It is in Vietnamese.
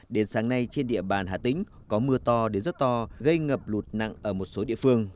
đến sáng nay trên địa bàn hà tĩnh có mưa to đến rất to gây ngập lụt nặng ở một số địa phương